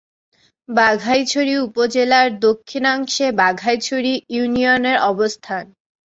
বাঘাইছড়ি উপজেলার দক্ষিণাংশে বাঘাইছড়ি ইউনিয়নের অবস্থান।